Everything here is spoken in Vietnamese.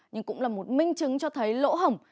nhưng cũng là một minh chứng cho thấy lỗ hỏng